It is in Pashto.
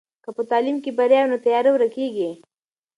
که په تعلیم کې بریا وي نو تیارې ورکېږي.